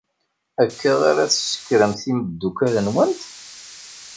Akka ara tsekkremt imeddukal-nwent?